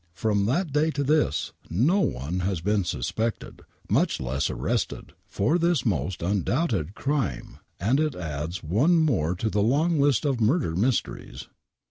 From that day to this, no one has been suspected, mucli less arrested, for this most undoubted crime, and it adds one more to the long list of Murder Mysteries.